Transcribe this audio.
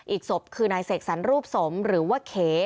อีกศพคือนายเสกสรรรูปสมหรือว่าเข